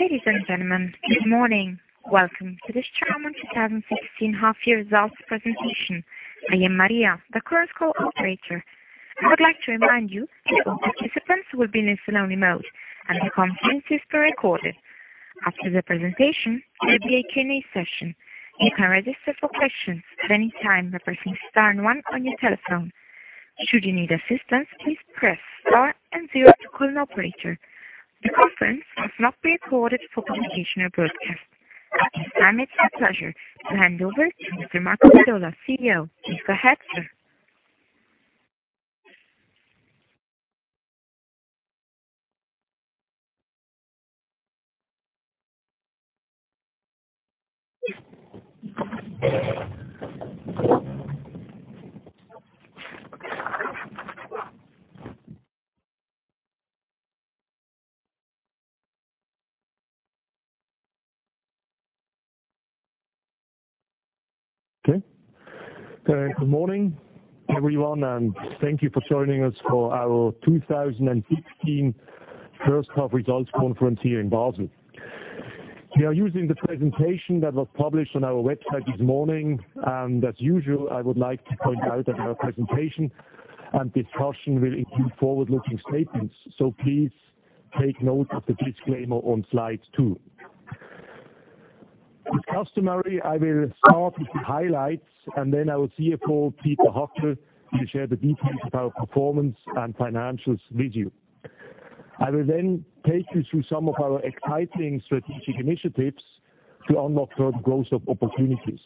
Ladies and gentlemen, good morning. Welcome to the Straumann 2016 half year results presentation. I am Maria, the conference call operator. I would like to remind you that all participants will be in listen-only mode, and the conference is being recorded. After the presentation, there will be a Q&A session. You can register for questions at any time by pressing star and one on your telephone. Should you need assistance, please press star and zero to call an operator. The conference must not be recorded for publication or broadcast. At this time, it is my pleasure to hand over to Marco Gadola, CEO. Please go ahead, sir. Okay. Good morning, everyone, and thank you for joining us for our 2016 first half results conference here in Basel. We are using the presentation that was published on our website this morning. As usual, I would like to point out that our presentation and discussion will include forward-looking statements. Please take note of the disclaimer on slide seven. As customary, I will start with the highlights, and then our CFO, Peter Hackel, will share the details of our performance and financials with you. I will take you through some of our exciting strategic initiatives to unlock further growth opportunities.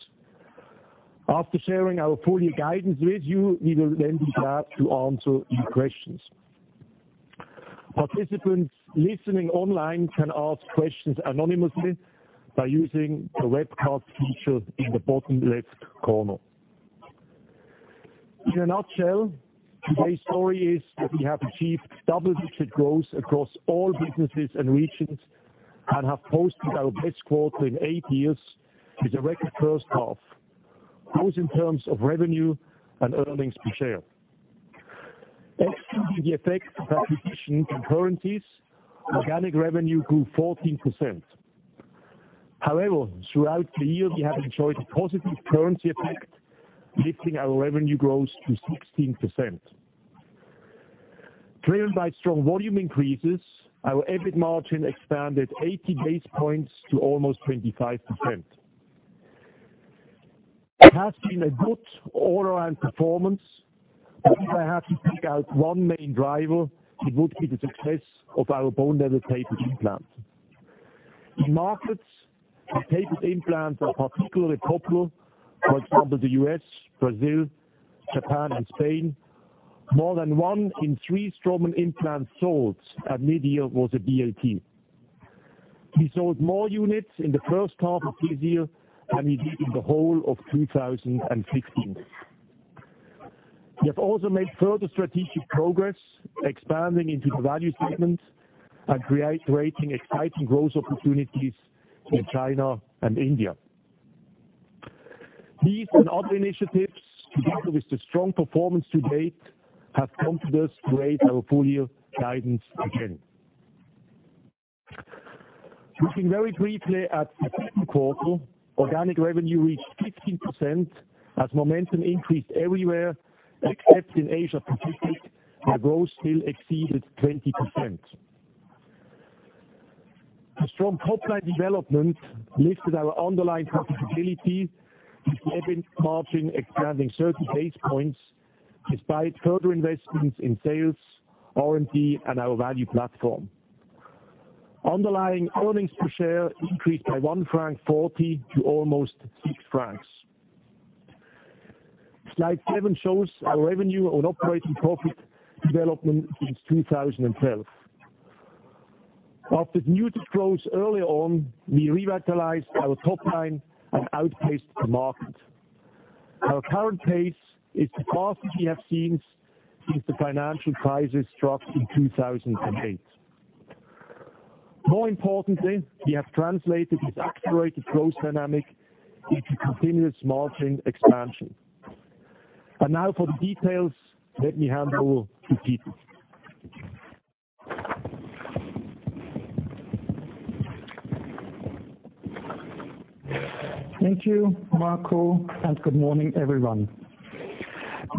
After sharing our full-year guidance with you, we will be glad to answer your questions. Participants listening online can ask questions anonymously by using the webcast feature in the bottom left corner. In a nutshell, today's story is that we have achieved double-digit growth across all businesses and regions and have posted our best quarter in eight years with a record first half, both in terms of revenue and earnings per share. Excluding the effect of acquisition and currencies, organic revenue grew 14%. However, throughout the year, we have enjoyed a positive currency effect, lifting our revenue growth to 16%. Driven by strong volume increases, our EBIT margin expanded 80 basis points to almost 25%. It has been a good all-around performance. If I had to pick out one main driver, it would be the success of our bone-level tapered implants. In markets where tapered implants are particularly popular, for example, the U.S., Brazil, Japan, and Spain, more than one in three Straumann implants sold at mid-year was a BLT. We sold more units in the first half of this year than we did in the whole of 2016. We have also made further strategic progress expanding into the value segment and creating exciting growth opportunities in China and India. These and other initiatives, together with the strong performance to date, have prompted us to raise our full-year guidance again. Looking very briefly at the second quarter, organic revenue reached 15% as momentum increased everywhere except in Asia Pacific, where growth still exceeded 20%. A strong top-line development lifted our underlying profitability with EBIT margin expanding 30 basis points despite further investments in sales, R&D, and our value platform. Underlying earnings per share increased by 1.40 franc to almost 6 francs. Slide seven shows our revenue and operating profit development since 2010. After muted growth early on, we revitalized our top line and outpaced the market. Our current pace is the fastest we have seen since the financial crisis struck in 2008. More importantly, we have translated this accelerated growth dynamic into continuous margin expansion. Now for the details, let me hand over to Peter. Thank you, Marco, and good morning, everyone.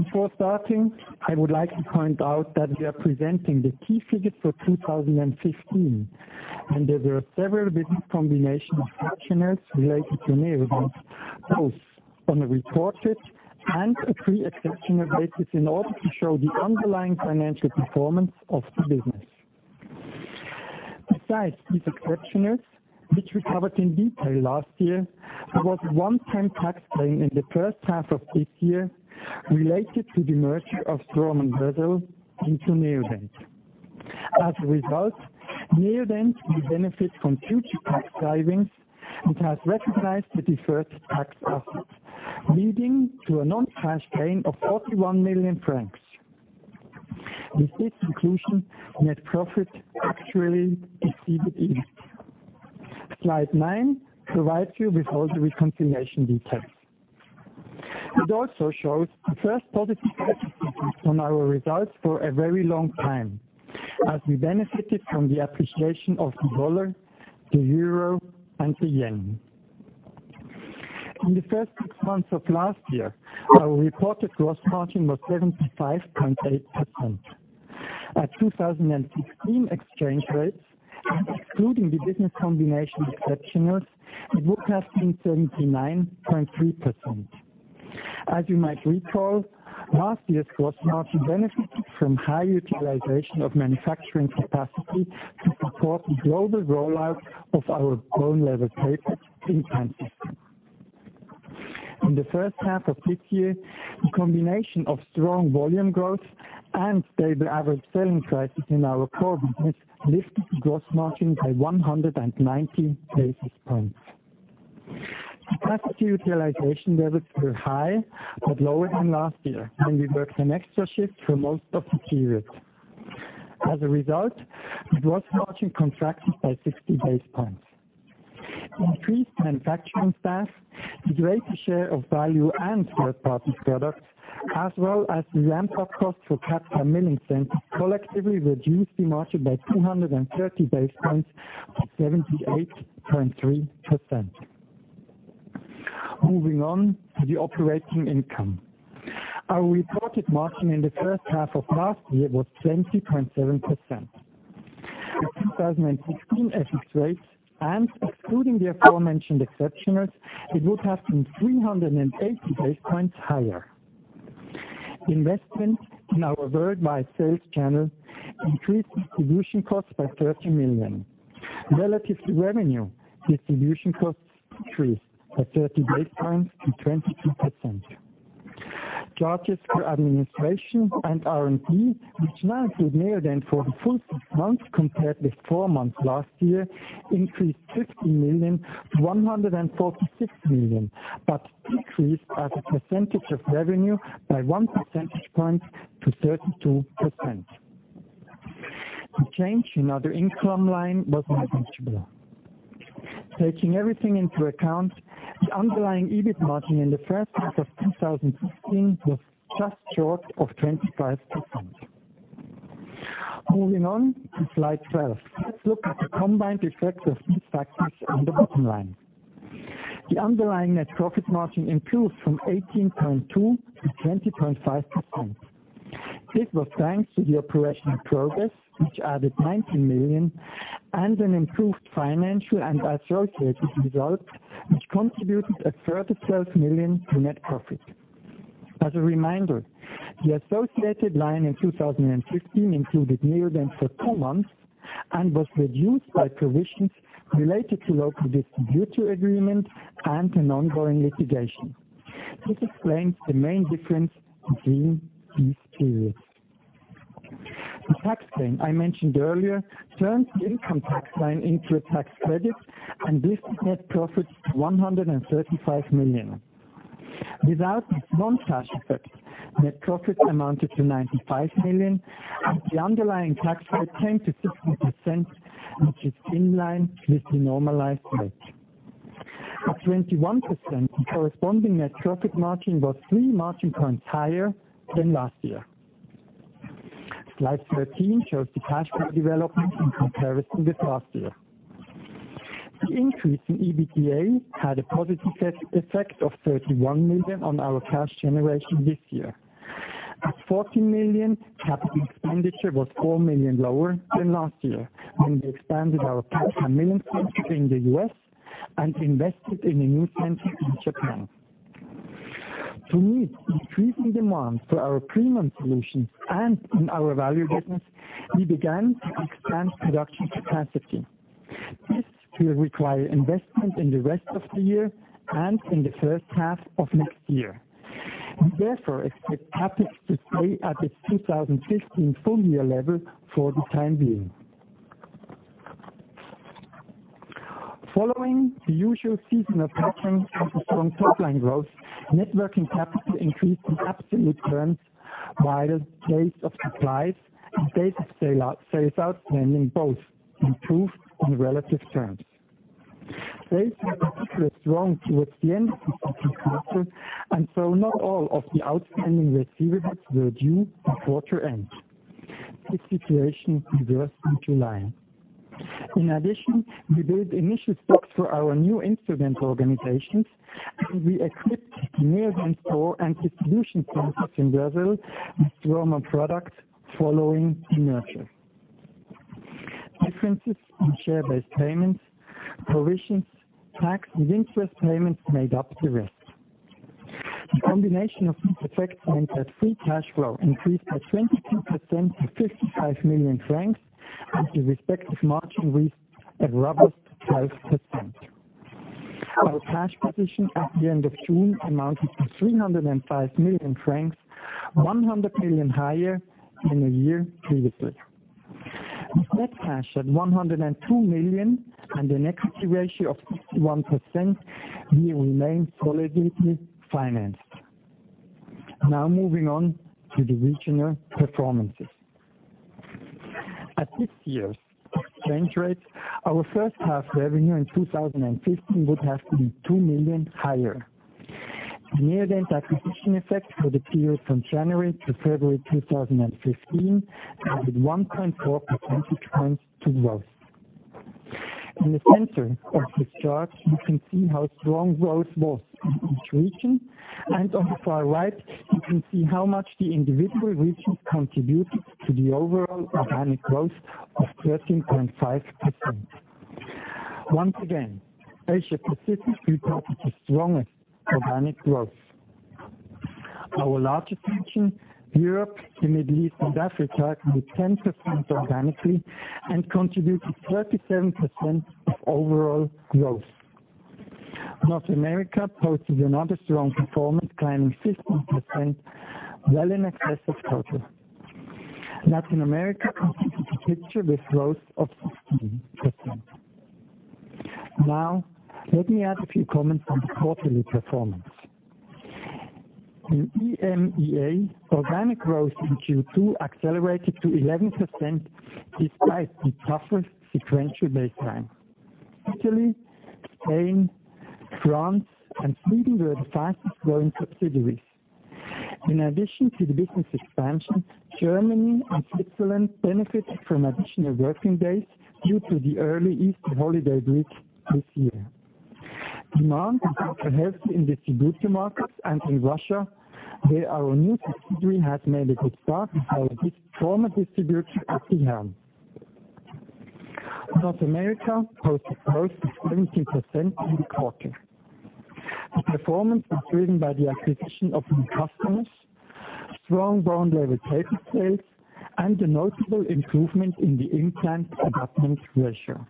Before starting, I would like to point out that we are presenting the key figures for 2016. There were several business combination exceptionals related to Neodent, both on a reported and a pre-exceptional basis in order to show the underlying financial performance of the business. Besides these exceptionals, which we covered in detail last year, there was a one-time tax gain in the first half of this year related to the merger of Straumann Brazil into Neodent. As a result, Neodent will benefit from future tax savings and has recognized the deferred tax asset, leading to a non-cash gain of 41 million francs. With this inclusion, net profit actually exceeded earnings. Slide nine provides you with all the reconciliation details. It also shows the first positive effect on our results for a very long time, as we benefited from the appreciation of the dollar, the euro, and the yen. In the first six months of last year, our reported gross margin was 75.8%. At 2016 exchange rates, excluding the business combination exceptionals, it would have been 79.3%. As you might recall, last year's gross margin benefited from high utilization of manufacturing capacity to support the global rollout of our Bone Level Tapered implants. In the first half of this year, the combination of strong volume growth and stable average selling prices in our core business lifted the gross margin by 190 basis points. Capacity utilization levels were high but lower than last year, when we worked an extra shift for most of the period. As a result, the gross margin contracted by 60 basis points. Increased manufacturing staff, the greater share of value and third-party products, as well as the ramp-up costs for CARES milling centers collectively reduced the margin by 230 basis points to 78.3%. Moving on to the operating income. Our reported margin in the first half of last year was 20.7%. At 2016 FX rates and excluding the aforementioned exceptionals, it would have been 380 basis points higher. Investment in our worldwide sales channel increased distribution costs by 30 million. Relative to revenue, distribution costs increased by 30 basis points to 22%. Charges to administration and R&D, which now include Neodent for the full six months compared with four months last year, increased 15 million to 146 million, but decreased as a percentage of revenue by one percentage point to 32%. The change in other income line was negligible. Taking everything into account, the underlying EBIT margin in the first half of 2016 was just short of 25%. Moving on to slide 12. Let's look at the combined effect of these factors on the bottom line. The underlying net profit margin improved from 18.2% to 20.5%. This was thanks to the operational progress, which added 19 million, and an improved financial and associated result, which contributed a further 12 million to net profit. As a reminder, the associated line in 2016 included Neodent for 4 months and was reduced by provisions related to low distributor agreements and an ongoing litigation. This explains the main difference between these periods. The tax gain I mentioned earlier turned the income tax line into a tax credit, and this net profit to 135 million. Without this non-cash effect, net profit amounted to 95 million, and the underlying tax rate came to 16%, which is in line with the normalized rate. At 21%, the corresponding net profit margin was three margin points higher than last year. Slide 13 shows the cash flow development in comparison with last year. The increase in EBITDA had a positive effect of 31 million on our cash generation this year. At 14 million, capital expenditure was 4 million lower than last year, when we expanded our CARES milling center in the U.S. and invested in a new center in Japan. To meet increasing demand for our premium solutions and in our value business, we began to expand production capacity. This will require investment in the rest of the year and in the first half of next year. We therefore expect CapEx to stay at its 2015 full-year level for the time being. Following the usual seasonal pattern of the strong top-line growth, net working capital increased in absolute terms, while days of supplies and days of sales outstanding both improved in relative terms. Sales were particularly strong towards the end of the second quarter, and so not all of the outstanding receivables were due at quarter end. This situation reversed in July. In addition, we built initial stocks for our new instrument configurations, and we equipped Neodent's core and distribution premises in Basel with Straumann products following the merger. Differences in share-based payments, provisions, tax, and interest payments made up the rest. The combination of these effects meant that free cash flow increased by 22% to 55 million francs, and the respective margin reached a robust 5%. Our cash position at the end of June amounted to 305 million francs, 100 million higher than the year previously. With net cash at 102 million and an equity ratio of 61%, we remain solidly financed. Now moving on to the regional performances. At this year's exchange rate, our first half revenue in 2015 would have to be 2 million higher. Neodent acquisition effect for the period from January to February 2015 added 1.4 percentage points to growth. In the center of this chart, you can see how strong growth was in each region, and on the far right, you can see how much the individual regions contributed to the overall organic growth of 13.5%. Once again, Asia Pacific reported the strongest organic growth. Our largest region, Europe, the Middle East and Africa grew 10% organically and contributed 37% of overall growth. North America posted another strong performance, climbing 15%, well in excess of total. Latin America completed the picture with growth of 16%. Let me add a few comments on the quarterly performance. In EMEA, organic growth in Q2 accelerated to 11%, despite the tougher sequential baseline. Italy, Spain, France, and Sweden were the fastest growing subsidiaries. In addition to the business expansion, Germany and Switzerland benefited from additional working days due to the early Easter holiday week this year. Demand has been healthy in distributor markets and in Russia, where our new subsidiary has made a good start with our former distributor, Asihem. North America posted growth of 17% in the quarter. The performance was driven by the acquisition of new customers, strong Bone Level Tapered sales, and a notable improvement in the implant abutment ratio.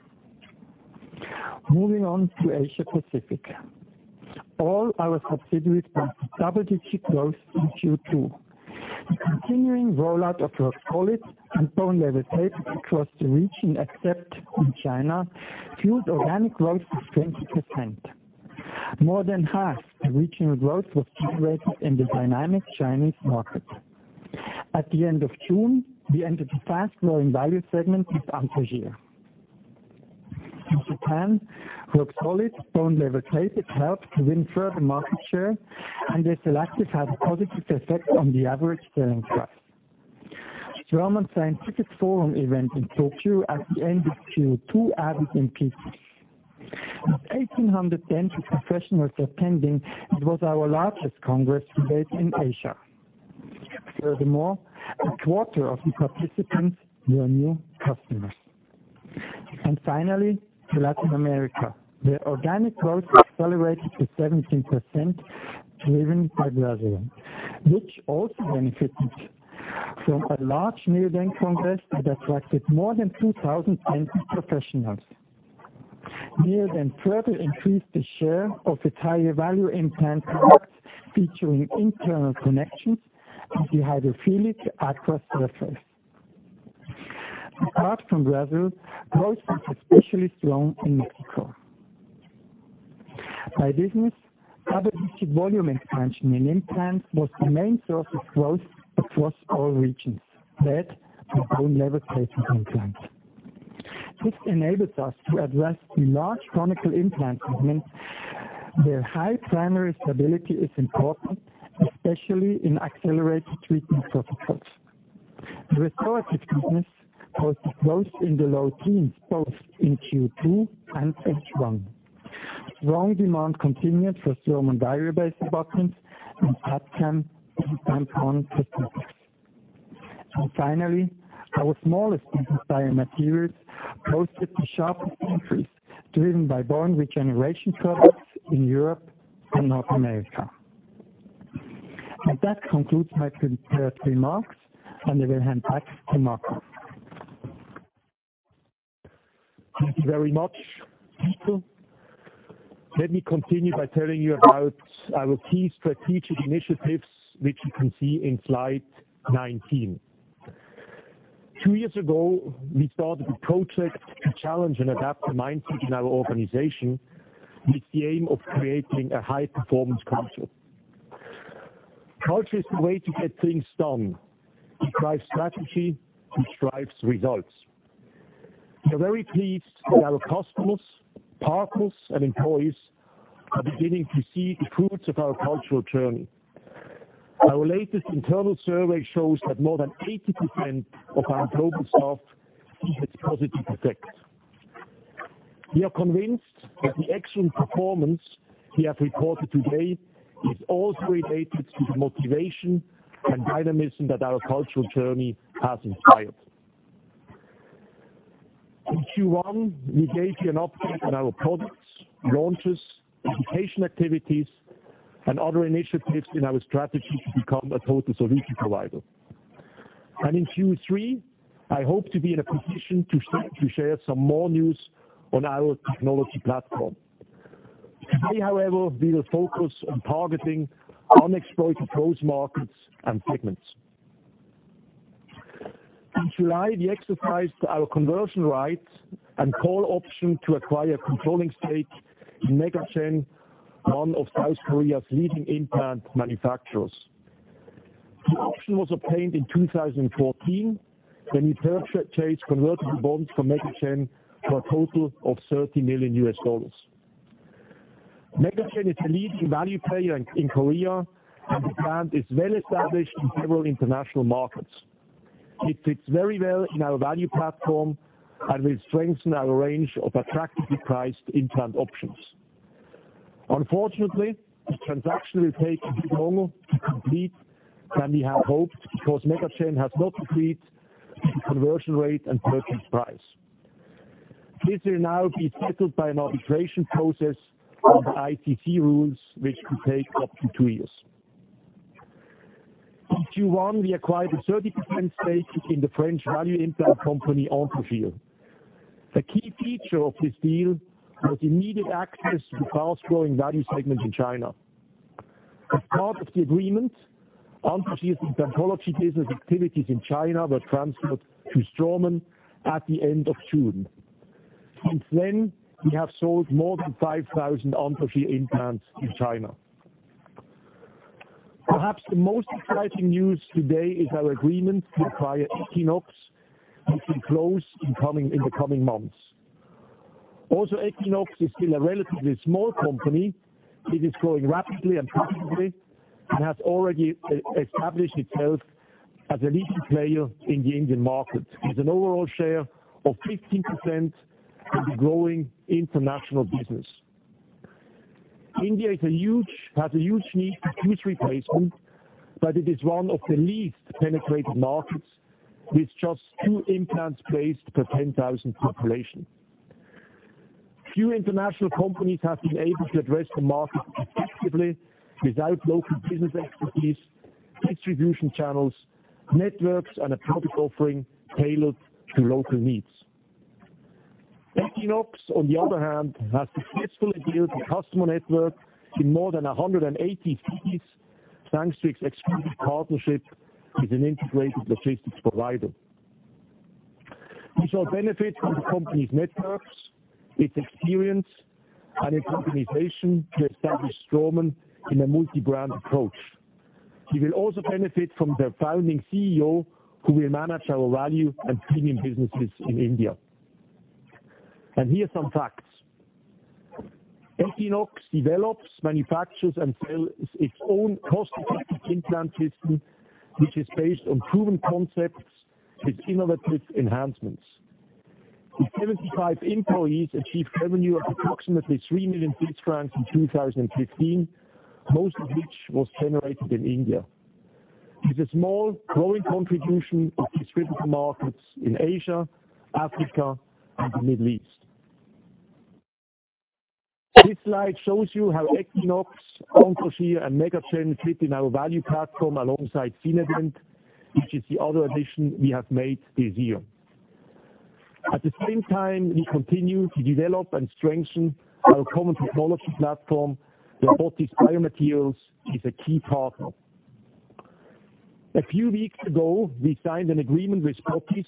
Moving on to Asia Pacific. All our subsidiaries posted double-digit growth in Q2. The continuing rollout of Roxolid and Bone Level Tapered across the region except in China, fueled organic growth of 20%. More than half the regional growth was generated in the dynamic Chinese market. At the end of June, we entered the fast-growing value segment with Anthogyr. In Japan, Roxolid Bone Level Tapered helped to win further market share, and the SLActive had a positive effect on the average selling price. Straumann Scientific Forum event in Tokyo at the end of Q2 added impetus. With 1,800 dental professionals attending, it was our largest congress to date in Asia. A quarter of the participants were new customers. Finally, Latin America, where organic growth accelerated to 17%, driven by Brazil, which also benefited from a large Neodent congress that attracted more than 2,000 dental professionals. Neodent further increased the share of its higher value implant products featuring internal connections and the hydrophilic Acqua surface. Apart from Brazil, growth was especially strong in Mexico. By business, double-digit volume expansion in implants was the main source of growth across all regions, led by Bone Level Tapered implants. This enables us to address the large conical implant segment, where high primary stability is important, especially in accelerated treatment protocols. The restorative business posted growth in the low teens, both in Q2 and H1. Strong demand continued for Straumann titanium-based abutments and CADCAM implant components. Finally, our smallest business biomaterials posted the sharpest increase, driven by bone regeneration products in Europe and North America. That concludes my prepared remarks, and I will hand back to Marco. Thank you very much, Peter. Let me continue by telling you about our key strategic initiatives, which you can see in slide 19. Two years ago, we started a project to challenge and adapt the mindset in our organization with the aim of creating a high-performance culture. Culture is the way to get things done. It drives strategy, which drives results. We're very pleased that our customers, partners, and employees are beginning to see the fruits of our cultural journey. Our latest internal survey shows that more than 80% of our global staff see its positive effects. We are convinced that the excellent performance we have reported today is also related to the motivation and dynamism that our cultural journey has inspired. In Q1, we gave you an update on our products, launches, education activities, and other initiatives in our strategy to become a total solution provider. In Q3, I hope to be in a position to share some more news on our technology platform. Today, however, we will focus on targeting unexploited growth markets and segments. In July, we exercised our conversion rights and call option to acquire a controlling stake in MegaGen, one of South Korea's leading implant manufacturers. The option was obtained in 2014 when we purchased convertible bonds for MegaGen for a total of $30 million. MegaGen is the leading value player in Korea, and the brand is well established in several international markets. It fits very well in our value platform and will strengthen our range of attractively priced implant options. Unfortunately, the transaction will longer to complete than we had hoped because MegaGen has not agreed to the conversion rate and purchase price. This will now be settled by an arbitration process under ICC rules, which could take up to 2 years. In Q1, we acquired a 30% stake in the French value implant company, Anthogyr. The key feature of this deal was immediate access to a fast-growing value segment in China. As part of the agreement, Anthogyr's implantology business activities in China were transferred to Straumann at the end of June. Since then, we have sold more than 5,000 Anthogyr implants in China. Perhaps the most exciting news today is our agreement to acquire Equinox, which will close in the coming months. Although Equinox is still a relatively small company, it is growing rapidly and profitably, and has already established itself as a leading player in the Indian market, with an overall share of 15% in the growing international business. India has a huge need for tooth replacement, but it is one of the least penetrated markets, with just two implants placed per 10,000 population. Few international companies have been able to address the market effectively without local business expertise, distribution channels, networks, and a product offering tailored to local needs. Equinox, on the other hand, has successfully built a customer network in more than 180 cities, thanks to its exclusive partnership with an integrated logistics provider. We shall benefit from the company's networks, its experience, and its organization to establish Straumann in a multi-brand approach. We will also benefit from their founding CEO, who will manage our value and premium businesses in India. Here are some facts. Equinox develops, manufactures, and sells its own cost-effective implant system, which is based on proven concepts with innovative enhancements. The 75 employees achieved revenue of approximately 3 million francs in 2015, most of which was generated in India, with a small growing contribution of distributed markets in Asia, Africa, and the Middle East. This slide shows you how Equinox, Anthogyr, and MegaGen fit in our value platform alongside Sinodent, which is the other addition we have made this year. At the same time, we continue to develop and strengthen our common technology platform where botiss biomaterials is a key partner. A few weeks ago, we signed an agreement with botiss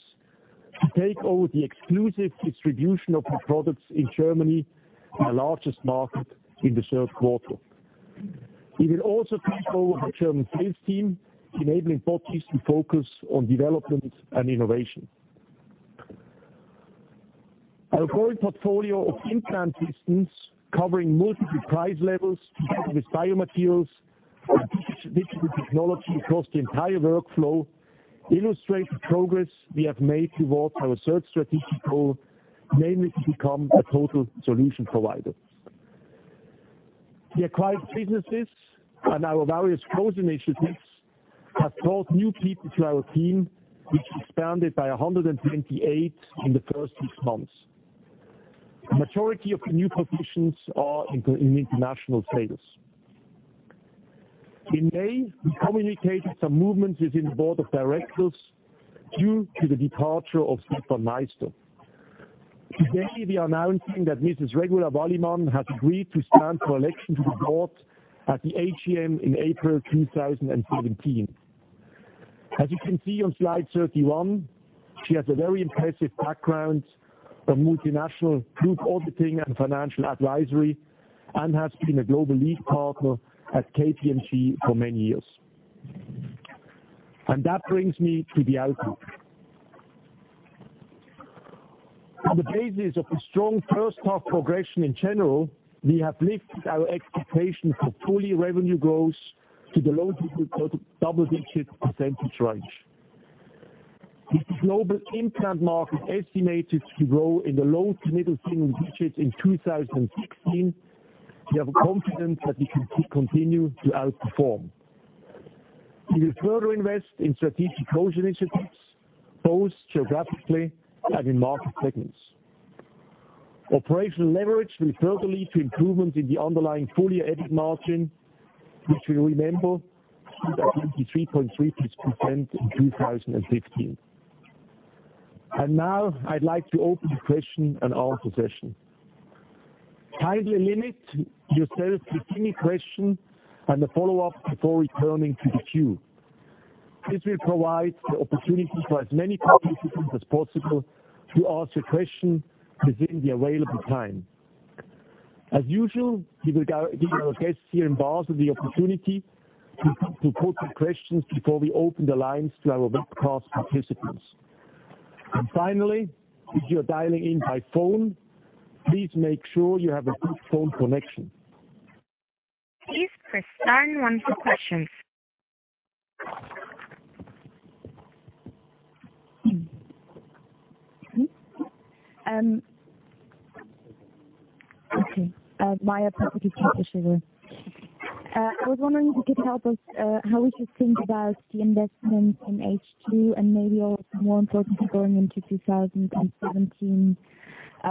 to take over the exclusive distribution of the products in Germany, our largest market, in the third quarter. We will also take over the German sales team, enabling botiss to focus on development and innovation. Our growing portfolio of implant systems covering multiple price levels, together with biomaterials and digital technology across the entire workflow, illustrates the progress we have made towards our third strategic goal, namely to become a total solution provider. The acquired businesses and our various growth initiatives have brought new people to our team, which expanded by 128 in the first six months. The majority of the new positions are in international sales. In May, we communicated some movements within the board of directors due to the departure of Stefan Meister. Today, we are announcing that Mrs. Regula Wallimann has agreed to stand for election to the board at the AGM in April 2017. As you can see on slide 31, she has a very impressive background of multinational group auditing and financial advisory and has been a global lead partner at KPMG for many years. That brings me to the outlook. On the basis of a strong first half progression in general, we have lifted our expectation for full-year revenue growth to the low to mid double-digit % range. With the global implant market estimated to grow in the low to middle single digits in 2016, we have confidence that we can continue to outperform. We will further invest in strategic growth initiatives, both geographically and in market segments. Operational leverage will further lead to improvement in the underlying full-year EBIT margin, which you remember was at 23.3% in 2015. Now I'd like to open the question and answer session. Kindly limit yourself to three questions and a follow-up before returning to the queue. This will provide the opportunity for as many participants as possible to ask a question within the available time. As usual, we will give our guests here in Basel the opportunity to put some questions before we open the lines to our webcast participants. Finally, if you are dialing in by phone, please make sure you have a good phone connection. Please press star one for questions. Okay. Maya from. I was wondering if you could help us, how we should think about the investment in H2 and maybe also more importantly, going into 2017. I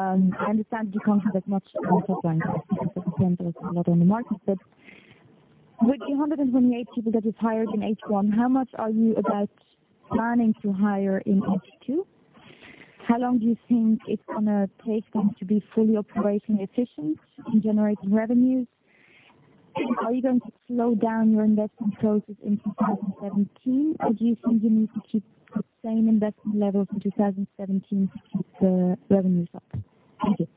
understand you can't say that much in advance because you can't put a lot on the market, but with the 128 people that you've hired in H1, how much are you about planning to hire in H2? How long do you think it's going to take them to be fully operation efficient in generating revenues? Are you going to slow down your investment process in 2017, or do you think you need to keep the same investment levels in 2017 to keep the revenues up? Thank you.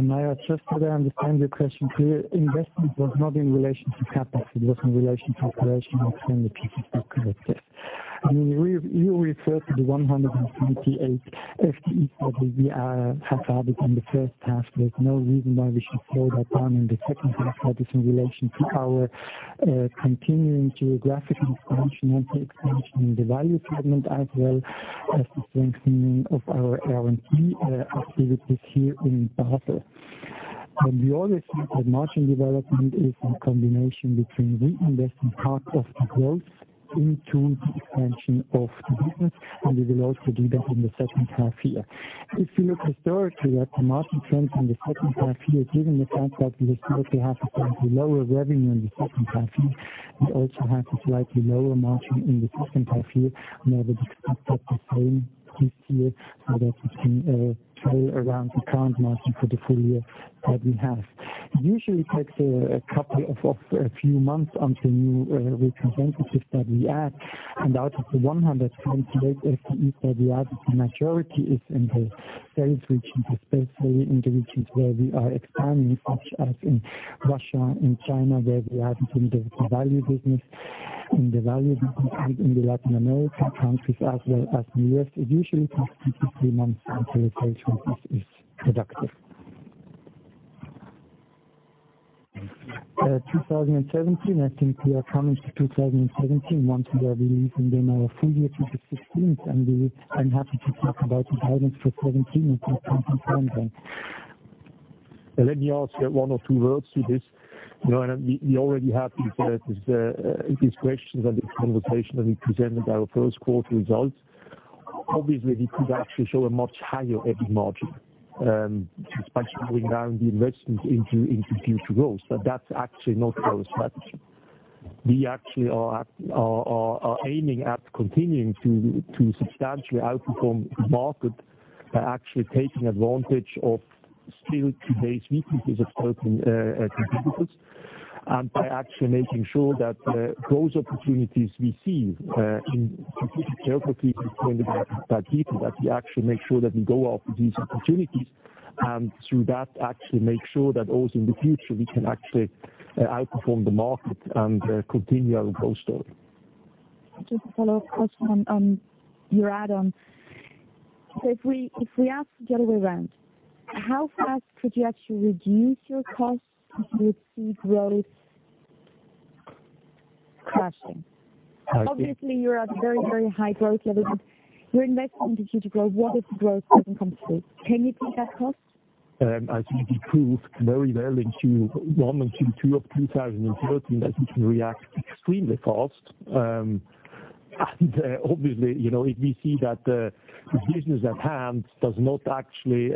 Maya, just that I understand your question clear, investment was not in relation to CapEx, it was in relation to operational people that do it. You refer to the 128 FTE that we have added in the first half. There's no reason why we should slow that down in the second half. That is in relation to our continuing geographic expansion and the expansion in the value segment as well as the strengthening of our R&D activities here in Basel. We always see that margin development is a combination between reinvesting part of the growth into the expansion of the business, and we will also do that in the second half year. If you look historically at the margin trends in the second half year, given the fact that we typically have slightly lower revenue in the second half year, we also have a slightly lower margin in the second half year. Now we expect that to change this year so that we can trail around the current margin for the full year that we have. It usually takes a few months until new representatives that we add, and out of the 128 FTE that we added, the majority is in the sales regions, especially in the regions where we are expanding, such as in Russia and China, where we added in the value business. In the value business in the Latin American countries as well as the U.S., it usually takes 2 to 3 months until the salesperson is productive. 2017, I think we are coming to 2017 once we are releasing the full year figures for 2016, and I'm happy to talk about the guidance for 2017 at some point in time then. Let me add one or two words to this. We already had these questions and this conversation when we presented our first quarter results. Obviously, we could actually show a much higher EBITDA margin by slowing down the investments into future growth. That's actually not our strategy. We actually are aiming at continuing to substantially outperform the market by actually taking advantage of still today's weaknesses of certain competitors, and by actually making sure that those opportunities we see in carefully explained by Dieter, that we actually make sure that we go after these opportunities. Through that, actually make sure that also in the future, we can actually outperform the market and continue our growth story. Just a follow-up question on your add-on. If we ask at any rate, how fast could you actually reduce your costs if you see growth crashing? Obviously, you're at very high growth levels and you're investing in the future growth. What if the growth doesn't come through? Can you take that cost? As we proved very well in Q1 and Q2 of 2013, that we can react extremely fast. Obviously, if we see that the business at hand does not actually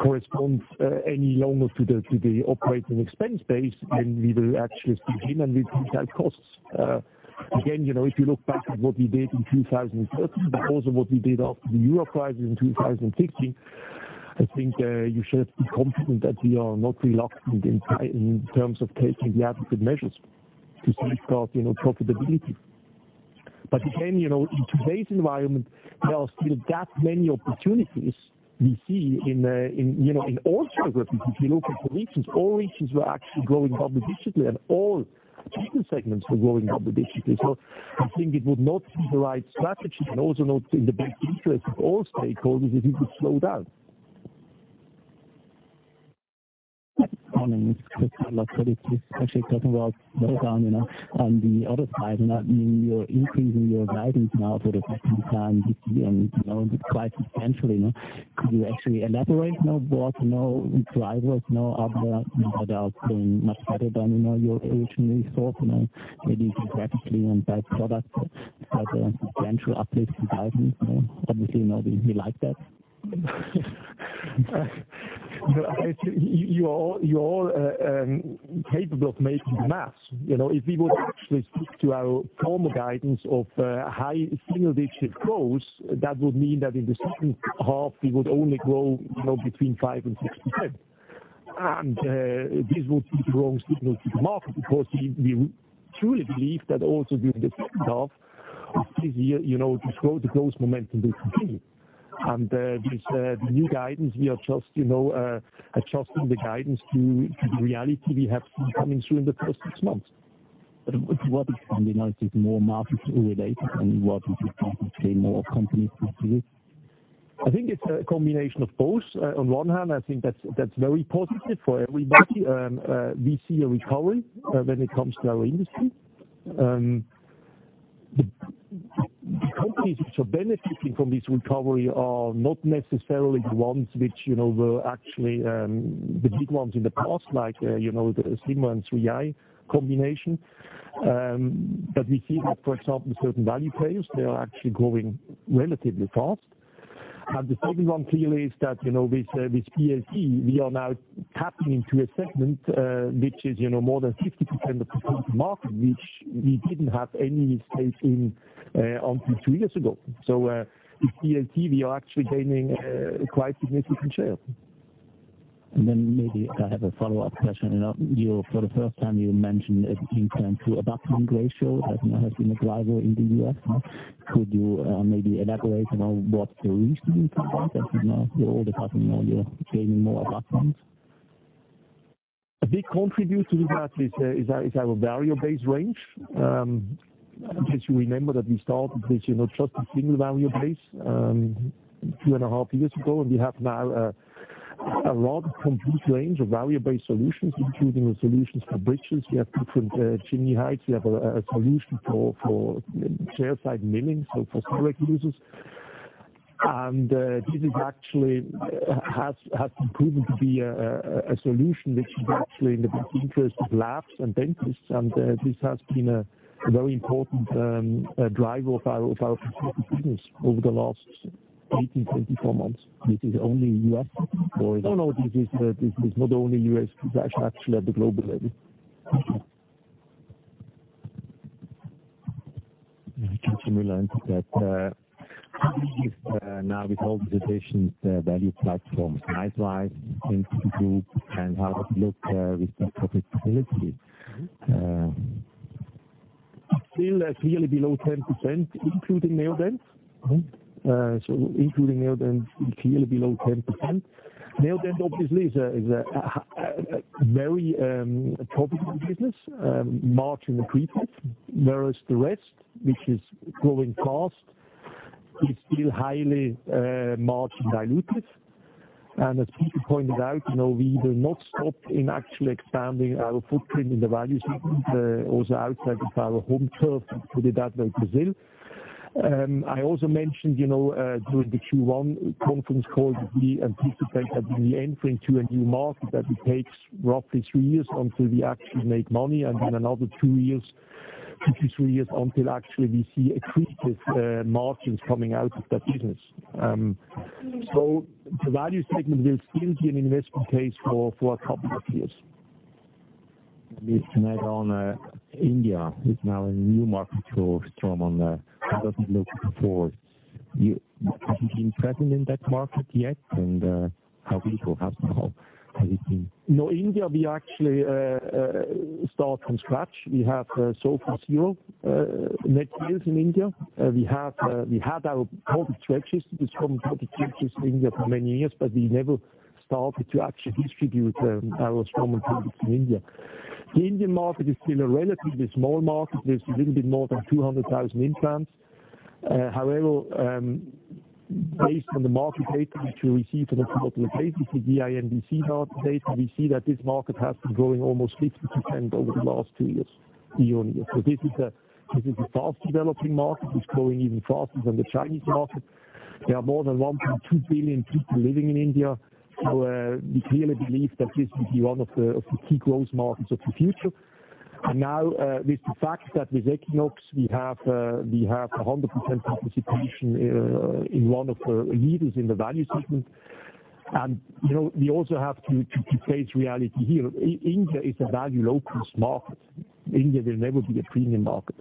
correspond any longer to the operating expense base, then we will actually step in and we reduce our costs. Again, if you look back at what we did in 2013, but also what we did after the Euro crisis in 2016, I think you should be confident that we are not reluctant in terms of taking the adequate measures to safeguard profitability. Again, in today's environment, there are still that many opportunities we see in all geographies. If you look at the regions, all regions were actually growing double-digitly and all segments were growing double-digitally. I think it would not be the right strategy and also not in the best interest of all stakeholders if we would slow down. Actually talking about slowdown, on the other side, you're increasing your guidance now for the second time this year, and quite substantially. Could you actually elaborate what drivers are doing much better than you originally thought? Maybe it is actually one bad product that had a substantial uplift in guidance. Obviously, we like that. You are capable of making the math. If we would actually stick to our former guidance of high single-digit growth, that would mean that in the second half, we would only grow between 5% and 6%. This would be the wrong signal to the market, because we truly believe that also during the second half this year, the growth momentum will continue. With the new guidance, we are just adjusting the guidance to the reality we have been coming through in the first six months. What is driving it? Is it more market-related, and what is the company specifically? I think it's a combination of both. On one hand, I think that's very positive for everybody. We see a recovery when it comes to our industry. The companies which are benefiting from this recovery are not necessarily the ones which were actually the big ones in the past, like the Zimmer and 3i combination. We see that, for example, certain value players, they are actually growing relatively fast. The second one clearly is that, with BLT, we are now tapping into a segment which is more than 50% of the current market, which we didn't have any stake in until two years ago. With BLT, we are actually gaining quite significant share. Maybe I have a follow-up question. For the first time, you mentioned an implant to abutment ratio as now has been a driver in the U.S. Could you maybe elaborate on what the reason is for that now you're able to, but now you're gaining more abutments? A big contributor to that is our Variobase range. As you remember that we started this trusted single Variobase 2 and a half years ago, and we have now a broad complete range of Variobase solutions, including the solutions for bridges. We have different chimney heights. We have a solution for chairside milling, so for ceramic uses. This actually has proven to be a solution which is actually in the interest of labs and dentists, and this has been a very important driver of our business over the last 18, 24 months. This is only U.S. or is it- No, this is not only U.S. This is actually at the global level. Continuing that, how is now with all the additions, the value platform size-wise in the Group and how does it look with the profitability? Still clearly below 10%, including Maildent. Including Maildent, it's clearly below 10%. Maildent obviously is a very profitable business, margin-accretive, whereas the rest, which is growing fast, is still highly margin dilutive. As Peter pointed out, we do not stop in actually expanding our footprint in the value segment, also outside of our home turf, put it that way, Brazil. I also mentioned, during the Q1 conference call that we anticipate that in the entering to a new market, that it takes roughly three years until we actually make money, and then another two years, two to three years until actually we see accretive margins coming out of that business. The value segment will still be an investment case for a couple of years. Based on India, it's now a new market for Straumann. How does it look for you? Have you been present in that market yet, and how big or how small has it been? No, India, we actually start from scratch. We have from zero net sales in India. We had our product registers with Straumann products registered in India for many years, but we never started to actually distribute our Straumann products in India. The Indian market is still a relatively small market. There's a little bit more than 200,000 implants. However, based on the market data which we receive on a quarterly basis, the BIMDC market data, we see that this market has been growing almost 50% over the last two years year-on-year. This is a fast-developing market. It's growing even faster than the Chinese market. There are more than 1.2 billion people living in India. We clearly believe that this will be one of the key growth markets of the future. Now, with the fact that with Equinox, we have 100% participation in one of the leaders in the value segment. We also have to face reality here. India is a value-focused market. India will never be a premium market.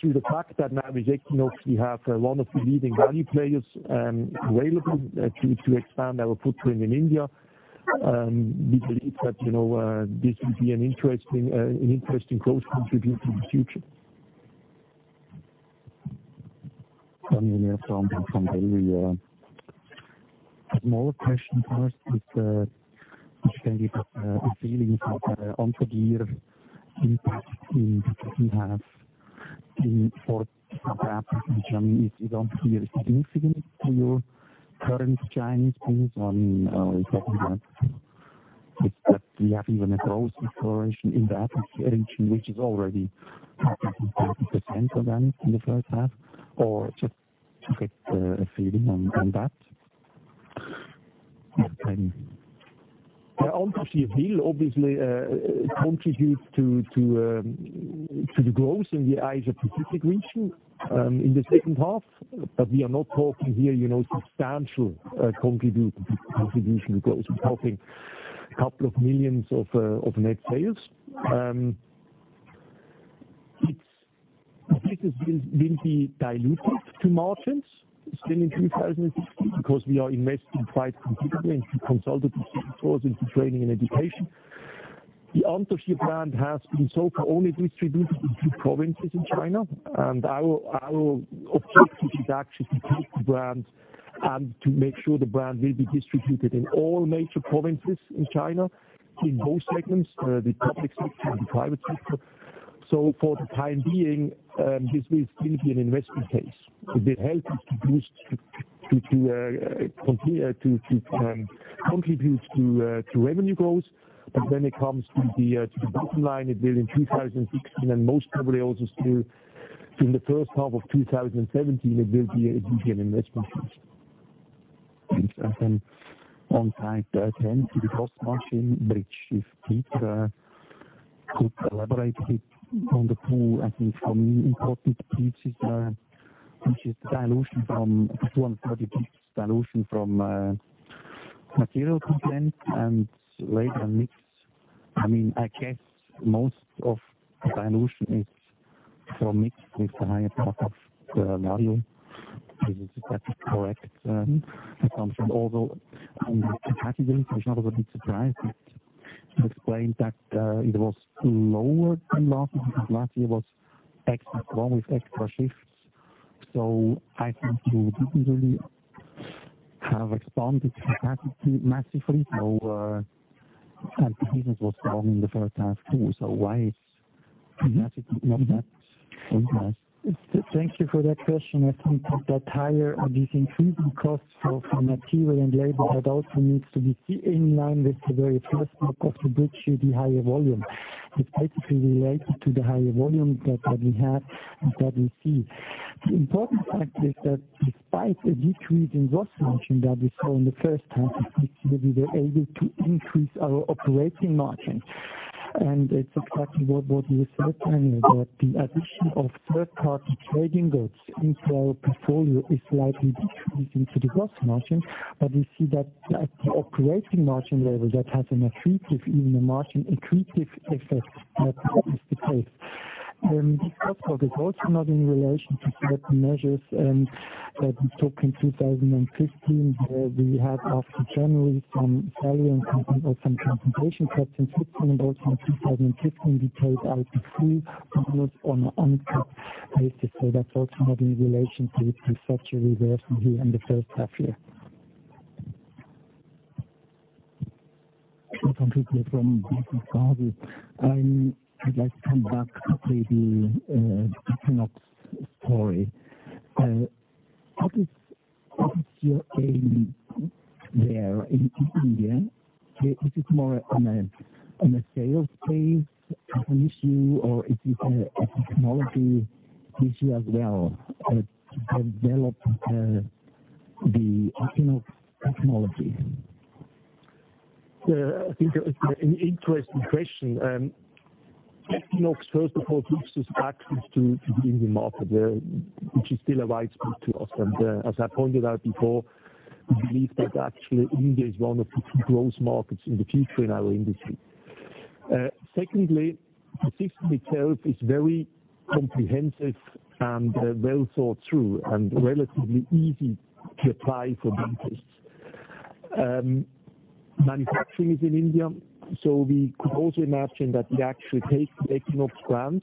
Through the fact that now with Equinox, we have one of the leading value players available to expand our footprint in India, we believe that this will be an interesting growth contributor in the future. Daniel from Daily. A small question first is, do you have a feeling of on-the-year impact you have in fourth quarter? If you don't hear it significant to your current Chinese business or is that we have even a growth acceleration in that region, which is already 30% for them in the first half, or just to get a feeling on that. will obviously contribute to the growth in the Asia Pacific region in the second half. We are not talking here substantial contribution to growth. We're talking a couple of million of net sales. This will be dilutive to margins still in 2016, because we are investing quite considerably into consultative resources, into training and education. The Anthogyr brand has been so far only distributed in two provinces in China. Our objective is actually to take the brand and to make sure the brand will be distributed in all major provinces in China in both segments, the public sector and the private sector. For the time being, this will still be an investment case. It will help us to contribute to revenue growth. When it comes to the bottom line, it will in 2016, most probably also still in the first half of 2017, it will be an investment case. Thanks. On slide 10, to the gross margin bridge, if Peter could elaborate a bit on the two important pieces, which is the dilution from 230 basis points dilution from material content and labor mix. Most of the dilution is from mix with the higher part of the value. Is that correct assumption? On capacity utilization, I was a bit surprised. It explained that it was lower than last year. Last year was strong with extra shifts. I think you easily have expanded capacity massively. Capacity was strong in the first half too. Why is capacity not that utilized? Thank you for that question. These increasing costs of material and labor, that also needs to be in line with the very first part of the bridge, the higher volume. It is basically related to the higher volume that we have and that we see. The important fact is that despite a decrease in gross margin that we saw in the first half, we were able to increase our operating margin. It is exactly what you said, Daniel, that the addition of third-party trading goods into our portfolio is slightly decreasing to the gross margin. We see that at the operating margin level, that has an accretive effect. That is the case. The third part is also not in relation to certain measures that we took in 2015, where we had after January some value and some compensation cuts in Switzerland, also in 2015, we paid out the free results on an uncut basis. That is also not in relation to it. We saw a reversal here in the first half year. Jean-Philippe from. I would like to come back to the Equinox story. What is your aim there in India? Is this more on a sales phase as an issue, or is it a technology issue as well to develop the Equinox technology? I think that was an interesting question. Equinox, first of all, gives us access to the Indian market, which is still a white spot to us. As I pointed out before, we believe that actually India is one of the key growth markets in the future in our industry. Secondly, the system itself is very comprehensive and well thought through, and relatively easy to apply for dentists. Manufacturing is in India. We could also imagine that we actually take the Equinox brand,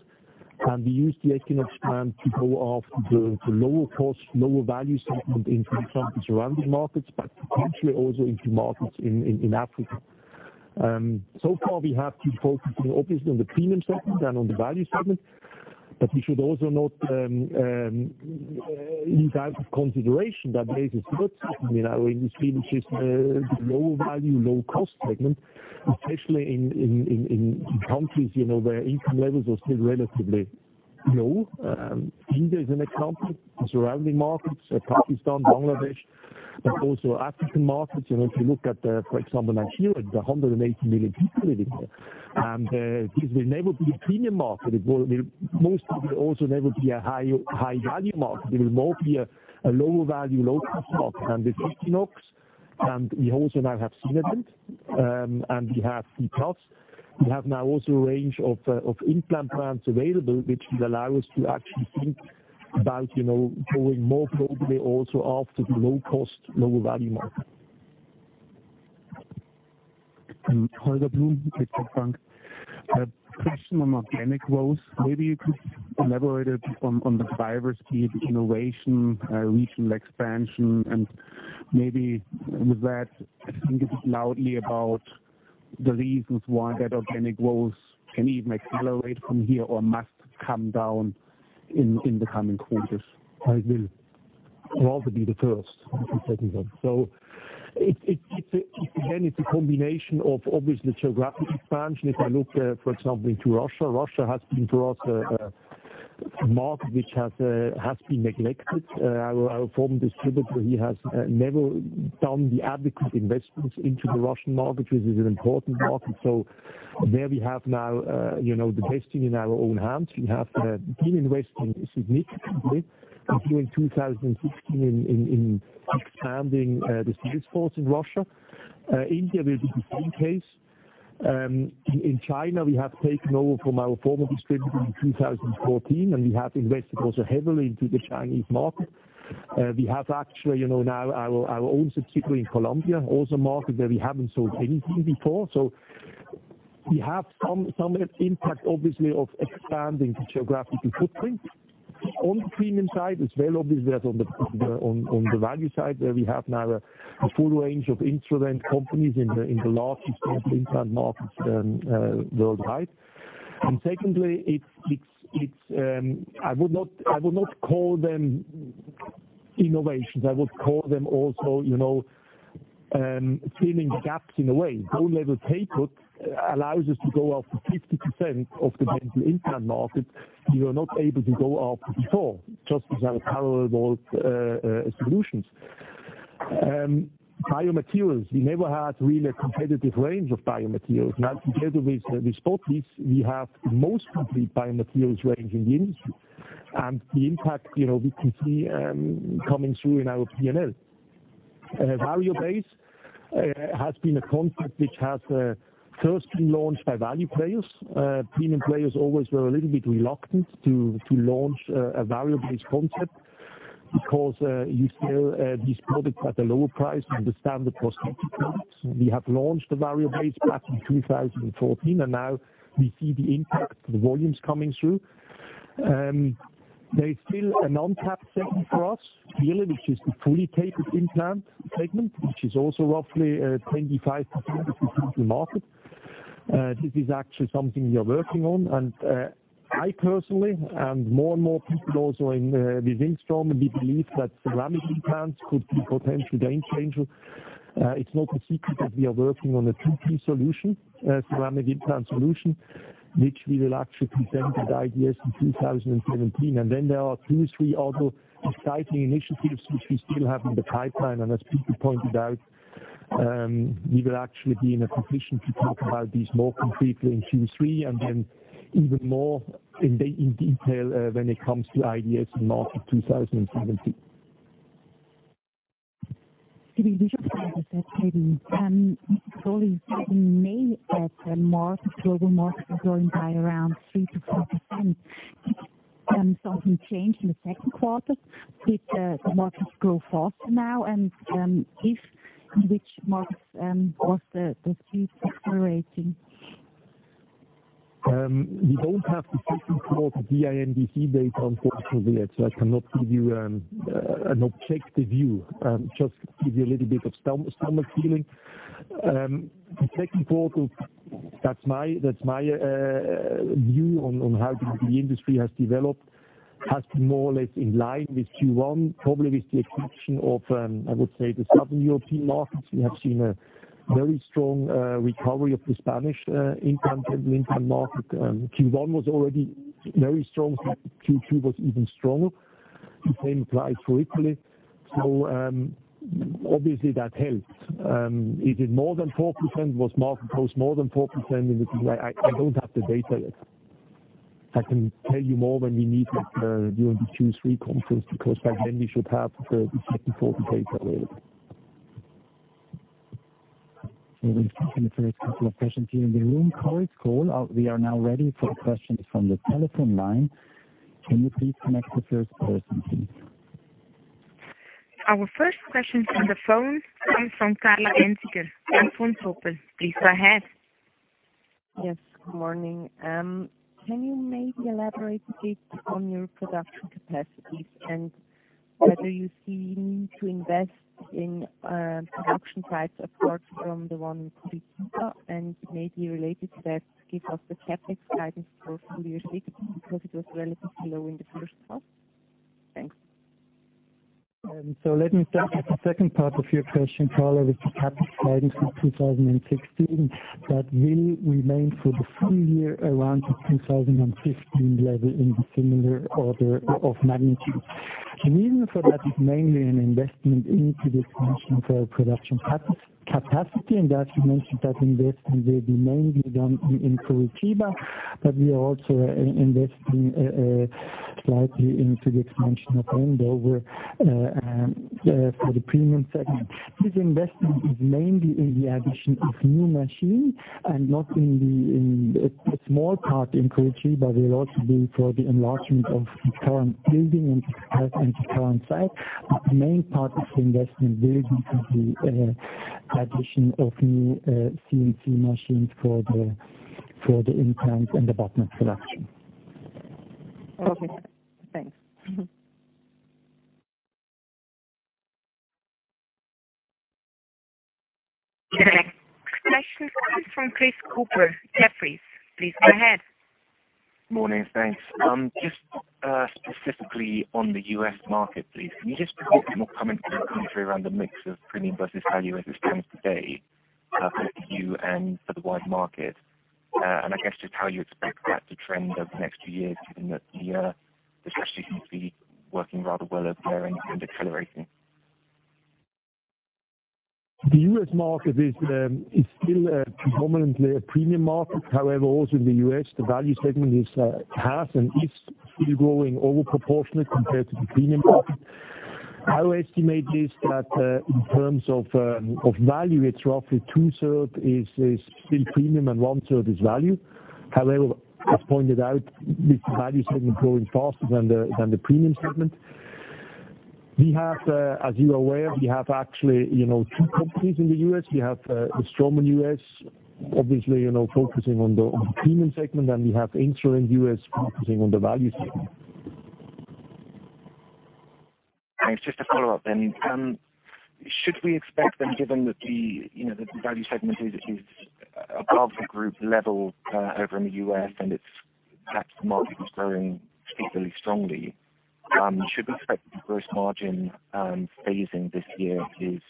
and we use the Equinox brand to go after the lower cost, lower value segment in some surrounding markets, but potentially also into markets in Africa. Far, we have been focusing obviously on the premium segment and on the value segment. We should also note in that consideration, that there is a third segment in our industry, which is the lower value, low cost segment, especially in countries where income levels are still relatively low. India is an example. The surrounding markets, Pakistan, Bangladesh, but also African markets. If you look at, for example, Nigeria, there are 180 million people living there. This will never be a premium market. Most probably also never be a high value market. It will more be a lower value, low cost market. With Equinox, and we also now have Sinodent, and we have the costs. We have now also a range of implant brands available, which will allow us to actually think about going more probably also after the low cost, lower value market. Holger Blum, Deutsche Bank. A question on organic growth. Maybe you could elaborate on the drivers, be it innovation, regional expansion, and maybe with that, I think a bit loudly about the reasons why that organic growth can even accelerate from here or must come down in the coming quarters. I will. I'll be the first in taking that. Again, it's a combination of, obviously, geographic expansion. If I look, for example, into Russia. Russia has been for us a market which has been neglected. Our former distributor, he has never done the adequate investments into the Russian market, which is an important market. There we have now the destiny in our own hands. We have been investing significantly during 2016 in expanding the sales force in Russia. India will be the same case. In China, we have taken over from our former distributor in 2014, and we have invested also heavily into the Chinese market. We have actually now our own subsidiary in Colombia, also a market where we haven't sold anything before. We have some impact, obviously, of expanding the geographical footprint. On the premium side, it's very obvious that on the value side, we have now a full range of implant companies in the largest of implant markets worldwide. Secondly, I would not call them innovations. I would call them filling gaps in a way. Bone Level Tapered allows us to go after 50% of the dental implant market we were not able to go after before, just because of parallel solutions. Biomaterials, we never had really a competitive range of biomaterials. Now, compared with botiss, we have the most complete biomaterials range in the industry, and the impact we can see coming through in our P&L. Value-based has been a concept which was first launched by value players. Premium players always were a little bit reluctant to launch a Variobase® concept because you sell these products at a lower price than the standard prosthetic components. We have launched the Variobase® back in 2014, now we see the impact, the volumes coming through. There is still an untapped segment for us, really, which is the fully tapered implant segment, which is also roughly 25% of the total market. This is actually something we are working on. I personally, and more and more people also within Straumann, we believe that ceramic implants could be potentially the game changer. It's no secret that we are working on a two-piece solution, a ceramic implant solution, which we will actually present at IDS in 2017. Then there are two or three other exciting initiatives which we still have in the pipeline. As Peter pointed out, we will actually be in a position to talk about these more completely in Q3, then even more in detail when it comes to IDS in March of 2017. Maybe we should start with that, maybe. Probably in May at the global market was growing by around 3% to 4%. Did something change in the second quarter? Did the markets grow faster now? If, in which markets was the shift accelerating? We don't have the second quarter BIMDC data unfortunately, I cannot give you an objective view. Just give you a little bit of stomach feeling. The second quarter, that's my view on how the industry has developed, has been more or less in line with Q1, probably with the exception of, I would say, the Southern European markets. We have seen a very strong recovery of the Spanish implant market. Q1 was already very strong. Q2 was even stronger. The same applies for Italy. Obviously that helped. Was market growth more than 4%? I don't have the data yet. I can tell you more when we meet during the Q3 conference, because by then we should have the second quarter data available. We've taken the first couple of questions here in the room. Cole, we are now ready for questions from the telephone line. Can you please connect the first person, please? Our first question from the phone comes from Karla Enzinger, Deutsche Bank. Please go ahead. Yes, good morning. Can you maybe elaborate a bit on your production capacities and whether you see a need to invest in production sites apart from the one in Curitiba? Maybe related to that, give us the CapEx guidance for full year 2016, because it was relatively low in the first half. Thanks. Let me start with the second part of your question, Karla, with the CapEx guidance for 2016. That will remain for the full year around the 2015 level in the similar order of magnitude. The reason for that is mainly an investment into the expansion of our production capacity, and as you mentioned, that investment will be mainly done in Curitiba. We are also investing slightly into the expansion of Andover for the premium segment. This investment is mainly in the addition of new machine, a small part in Curitiba will also be for the enlargement of the current building and the current site. The main part of the investment will be the addition of new CNC machines for the implants and abutment production. Okay, thanks. The next question comes from Chris Cooper, Jefferies. Please go ahead. Morning, thanks. Just specifically on the U.S. market, please, can you just provide some more commentary around the mix of premium versus value as it stands today, both for you and for the wide market? I guess just how you expect that to trend over the next few years, given that the strategy seems to be working rather well over there and accelerating. The U.S. market is still predominantly a premium market. However, also in the U.S., the value segment has and is still growing overproportionate compared to the premium market. Our estimate is that in terms of value, it's roughly two-thirds is still premium and one-third is value. However, as pointed out, this value segment is growing faster than the premium segment. We have, as you're aware, we have actually two companies in the U.S. We have the Straumann US, obviously, focusing on the premium segment, and we have Instradent USA focusing on the value segment. Thanks. Just a follow-up. Should we expect, given that the value segment is above the group level over in the U.S. and its patch market is growing particularly strongly, should we expect the gross margin phasing this year is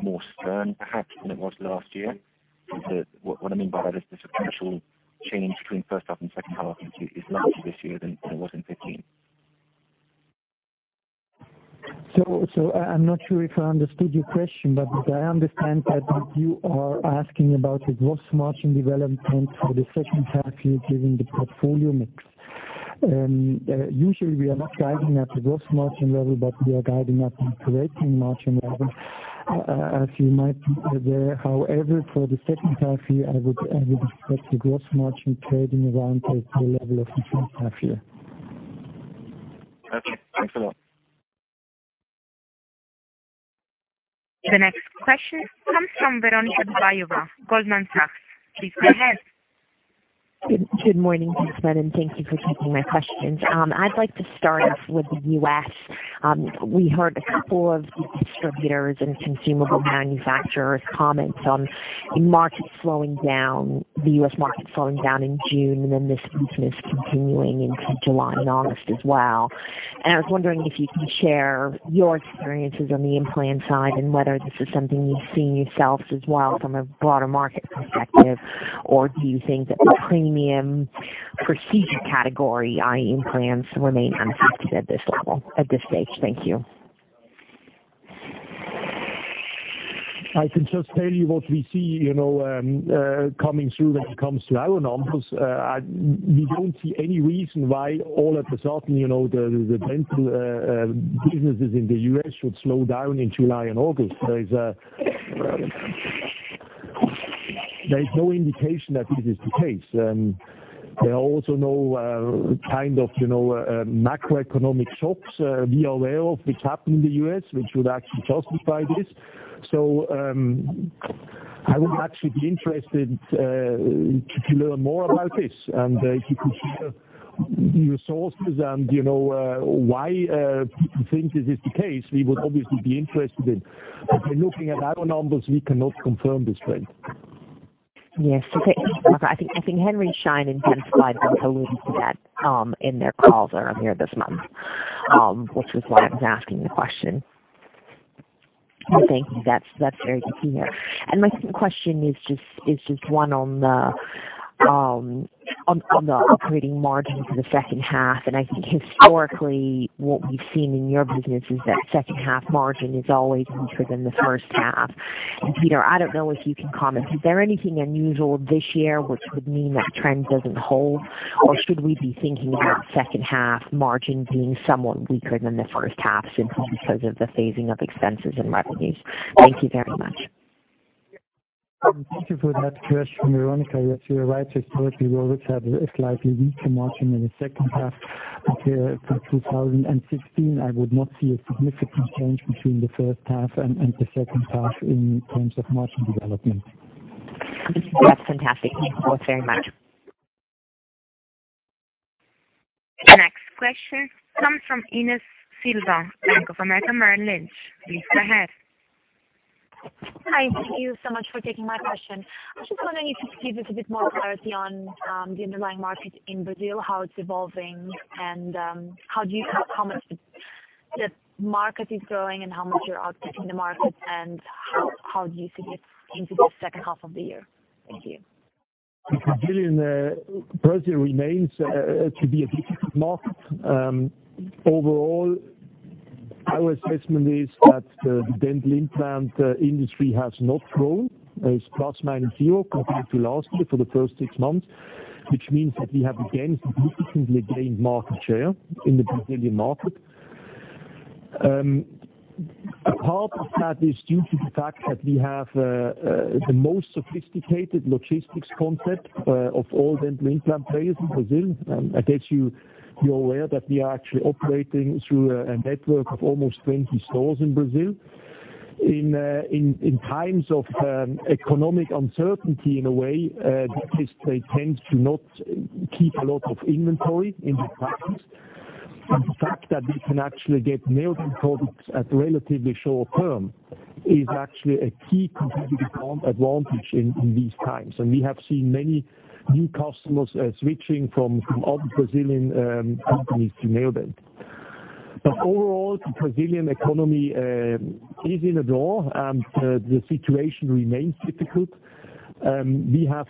more stern, perhaps, than it was last year? What I mean by that is the sequential change between first half and second half is larger this year than it was in 2015. I'm not sure if I understood your question. I understand that you are asking about the gross margin development for the second half year, given the portfolio mix. Usually, we are not guiding at the gross margin level. We are guiding at the operating margin level. As you might be aware, however, for the second half year, I would expect the gross margin trading around the level of the first half year. Okay, thanks a lot. The next question comes from Veronika Dubajova, Goldman Sachs. Please go ahead. Good morning, gentlemen. Thank you for taking my questions. I'd like to start off with the U.S. We heard a couple of distributors and consumable manufacturers comment on the U.S. market slowing down in June, then this weakness continuing into July and August as well. I was wondering if you can share your experiences on the implant side and whether this is something you're seeing yourselves as well from a broader market perspective, or do you think that the premium procedure category, i.e., implants, remain unaffected at this stage? Thank you. I can just tell you what we see coming through when it comes to our numbers. We don't see any reason why all of a sudden, the dental businesses in the U.S. should slow down in July and August. There is no indication that this is the case. There are also no macroeconomic shocks we are aware of which happened in the U.S., which would actually justify this. I would actually be interested to learn more about this, and if you can share your sources and why people think this is the case, we would obviously be interested in. By looking at our numbers, we cannot confirm this trend. Yes. Okay. I think Henry Schein, in his slide, also alluded to that in their calls earlier this month, which was why I was asking the question. Thank you. That's very clear. My second question is just one on the operating margins in the second half. I think historically, what we've seen in your business is that second half margin is always weaker than the first half. Peter, I don't know if you can comment, is there anything unusual this year which would mean that trend doesn't hold, or should we be thinking about second half margins being somewhat weaker than the first half simply because of the phasing of expenses and revenues? Thank you very much. Thank you for that question, Veronika. Yes, you're right. Historically, we always have a slightly weaker margin in the second half. Compared to 2016, I would not see a significant change between the first half and the second half in terms of margin development. That's fantastic. Thank you both very much. The next question comes from Ines Silvestro, Bank of America Merrill Lynch. Please go ahead. Hi. Thank you so much for taking my question. I just wondered if you could give us a bit more clarity on the underlying market in Brazil, how it's evolving, and how much the market is growing, and how much you're out pacing the market, and how do you see it into the second half of the year? Thank you. In Brazil, it remains to be a difficult market. Overall, our assessment is that the dental implant industry has not grown. It's plus/minus zero compared to last year for the first six months, which means that we have again significantly gained market share in the Brazilian market. Part of that is due to the fact that we have the most sophisticated logistics concept of all dental implant players in Brazil. I guess you're aware that we are actually operating through a network of almost 20 stores in Brazil. In times of economic uncertainty, in a way, they tend to not keep a lot of inventory in the factories. The fact that we can actually get Neodent products at relatively short term is actually a key competitive advantage in these times. We have seen many new customers switching from other Brazilian companies to Neodent. Overall, the Brazilian economy is in a doldrum, and the situation remains difficult. We have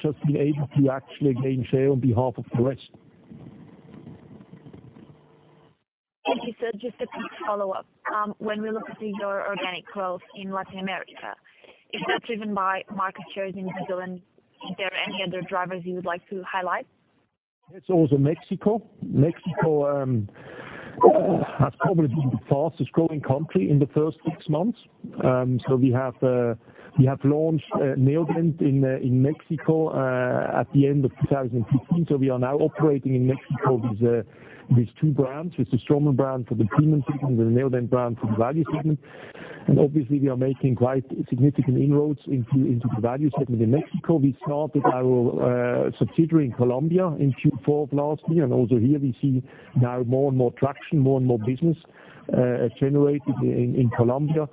just been able to actually gain share on behalf of the rest. Thank you, sir. Just a quick follow-up. When we look at your organic growth in Latin America, is that driven by market shares in Brazil, and is there any other drivers you would like to highlight? It's also Mexico. Mexico has probably been the fastest growing country in the first six months. We have launched Neodent in Mexico at the end of 2015. We are now operating in Mexico with these two brands, with the Straumann brand for the premium segment and the Neodent brand for the value segment. Obviously we are making quite significant inroads into the value segment in Mexico. We started our subsidiary in Colombia in Q4 of last year, and also here we see now more and more traction, more and more business generated in Colombia.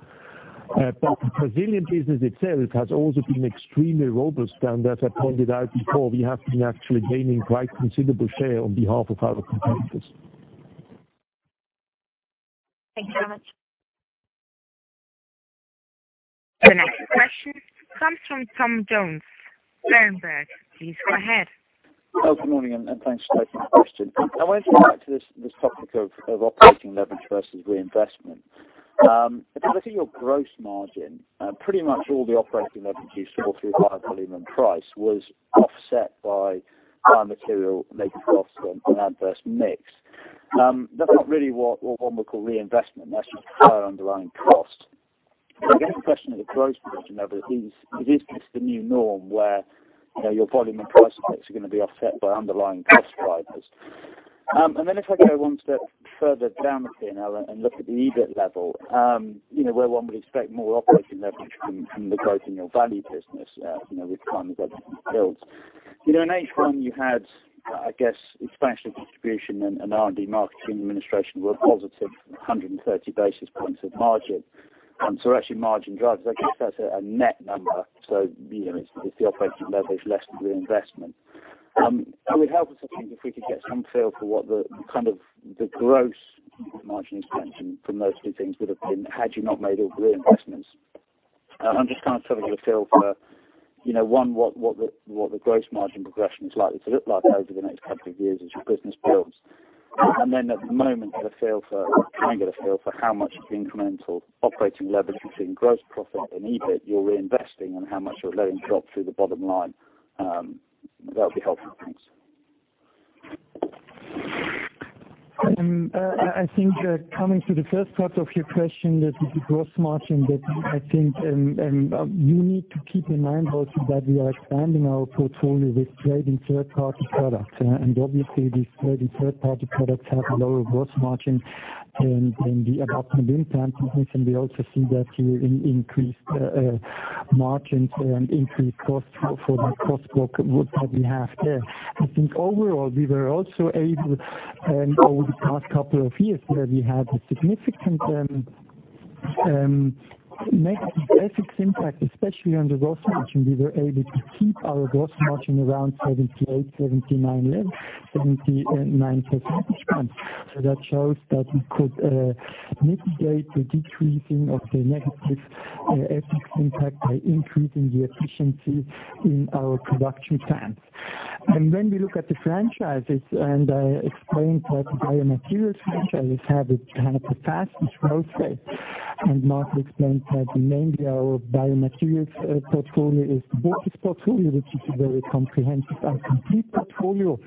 The Brazilian business itself has also been extremely robust, and as I pointed out before, we have been actually gaining quite considerable share on behalf of our competitors. Thank you very much. The next question comes from Tom Jones, Berenberg. Please go ahead. Good morning, and thanks for taking the question. I want to come back to this topic of operating leverage versus reinvestment. If I look at your gross margin, pretty much all the operating leverage you saw through higher volume and price was offset by biomaterial labor costs and adverse mix. That was really what one would call reinvestment, that is just higher underlying cost. I guess the question on the gross margin level is this the new norm where your volume and price mix are going to be offset by underlying cost drivers? If I go one step further down the chain and look at the EBIT level, where one would expect more operating leverage from the growth in your value business, with time the business builds. In H1 you had, I guess, expansion contribution and R&D marketing administration were a positive 130 basis points of margin. Actually margin drives, I guess that is a net number, so it is the operating leverage less the reinvestment. It would help us, I think, if we could get some feel for what the gross margin expansion from those two things would have been, had you not made all the reinvestments. I am just kind of trying to get a feel for, one, what the gross margin progression is likely to look like over the next couple of years as your business builds. At the moment, can I get a feel for how much incremental operating leverage between gross profit and EBIT you are reinvesting and how much you are letting drop through the bottom line? That would be helpful. Thanks. I think coming to the first part of your question, the gross margin bit, I think you need to keep in mind also that we are expanding our portfolio with trading third-party products. Obviously these trading third-party products have lower gross margin than the abutment implant business, and we also see that here in increased margins and increased costs for that cross-border work that we have there. I think overall, we were also able, over the past couple of years, where we had a significant negative FX impact, especially on the gross margin, we were able to keep our gross margin around 78, 79 percentage points. That shows that we could mitigate the decreasing of the negative FX impact by increasing the efficiency in our production plants. When we look at the franchises, I explained that the biomaterials franchise has a kind of a faster growth rate, Marco explained that mainly our biomaterials portfolio is the Dentsply portfolio, which is a very comprehensive and complete portfolio.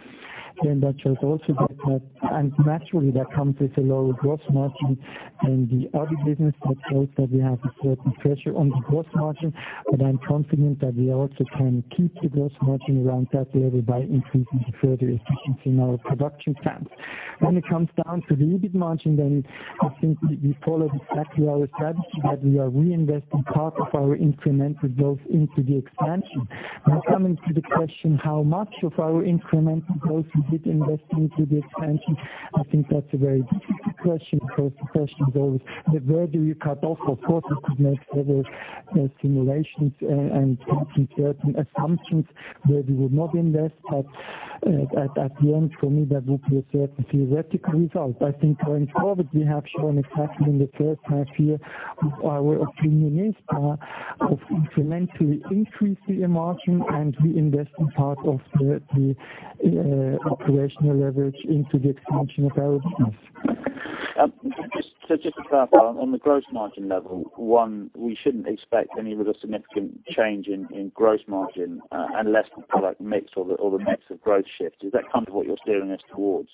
That shows also that naturally that comes with a lower gross margin than the other business. That shows that we have a certain pressure on the gross margin. I am confident that we also can keep the gross margin around that level by increasing the further efficiency in our production plants. When it comes down to the EBIT margin, I think we followed exactly our strategy that we are reinvesting part of our incremental growth into the expansion. Now coming to the question how much of our incremental growth we did invest into the expansion, I think that's a very difficult question, because the question is always where do you cut off? Of course, we could make further simulations and certain assumptions where we would not invest, but at the end, for me, that would be a certain theoretical result. I think going forward, we have shown exactly in the first half year our opinion is of incrementally increase the margin and reinvesting part of the operational leverage into the expansion of our business. Just to clarify, on the gross margin level, one, we shouldn't expect any other significant change in gross margin unless the product mix or the mix of growth shifts. Is that kind of what you're steering us towards?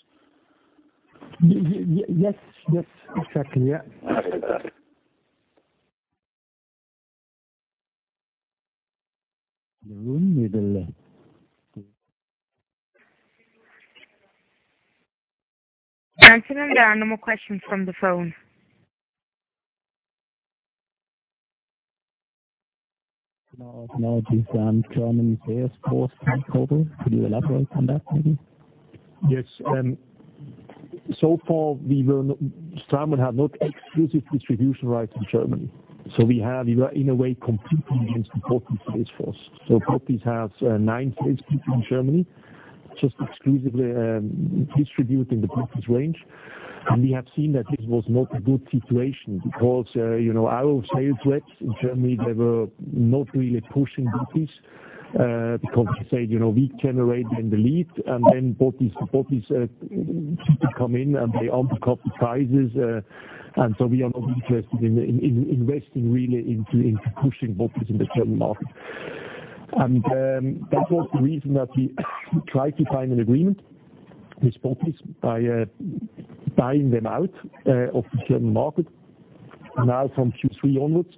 Yes. Exactly, yeah. Anton, there are no more questions from the phone. German sales force going global. Could you elaborate on that, maybe? Yes. So far, Straumann had not exclusive distribution rights in Germany. We have, in a way, competing against the Dentsply sales force. Dentsply has nine salespeople in Germany, just exclusively distributing the Dentsply range. We have seen that this was not a good situation because our sales reps in Germany, they were not really pushing Dentsply. They said, "We generate them the lead, and then Dentsply people come in, and they undercut the prices. We are not interested in investing really into pushing Dentsply in the German market." That was the reason that we tried to sign an agreement with Dentsply by buying them out of the German market. Now from Q3 onwards,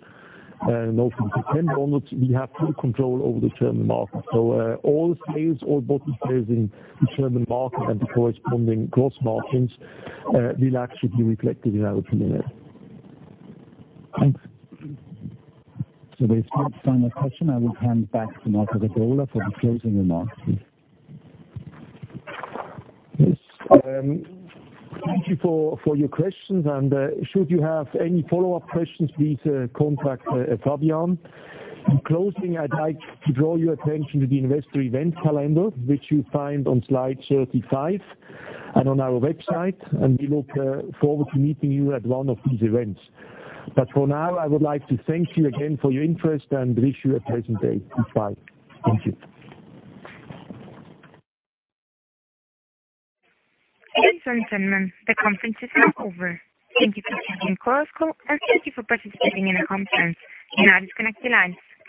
no, from September onwards, we have full control over the German market. All sales, all Dentsply sales in the German market and the corresponding gross margins will actually be reflected in our P&L. Thanks. There is no final question. I will hand back to Marco Gadola for the closing remarks, please. Yes. Thank you for your questions, and should you have any follow-up questions, please contact Fabian. In closing, I'd like to draw your attention to the investor event calendar, which you find on slide 35 and on our website, and we look forward to meeting you at one of these events. For now, I would like to thank you again for your interest and wish you a pleasant day. Goodbye. Thank you. Ladies and gentlemen, the conference is now over. Thank you for using Chorus Call, and thank you for participating in the conference. You may disconnect your lines.